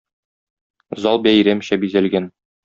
Зал бәйрәмчә бизәлгән.